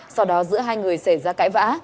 sau đó giữa hai người xảy ra cãi vã